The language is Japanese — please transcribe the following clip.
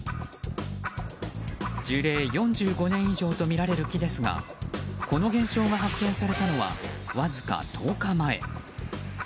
樹齢４５年以上とみられる木ですがこの現象が発見されたのはわずか１０日前。